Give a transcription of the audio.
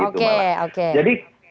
jadi koalisi yang akan mengusir